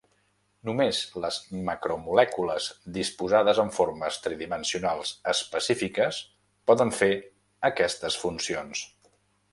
Només les macromolècules disposades en formes tridimensionals específiques poden fer aquestes funcions.